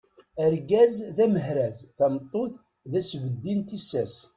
Argaz d amehraz, tameṭṭut d asbeddi n tissas.